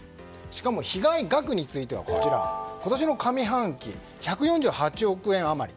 しかも被害額については今年の上半期１４８億円余り。